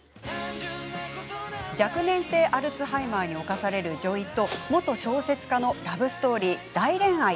若年性アルツハイマーに侵される女医と元小説家のラブストーリー「大恋愛」。